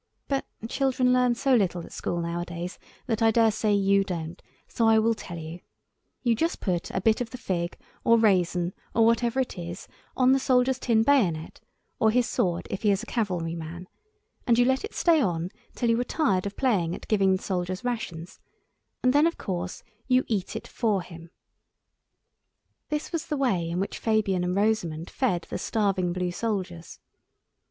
But children learn so little at school nowadays that I daresay you don't, so I will tell you. You just put a bit of the fig or raisin, or whatever it is, on the soldier's tin bayonet—or his sword, if he is a cavalry man—and you let it stay on till you are tired of playing at giving the soldiers rations, and then of course you eat it for him. This was the way in which Fabian and Rosamund fed the starving blue soldiers.